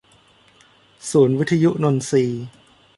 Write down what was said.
ศูนย์วิทยุนนทรี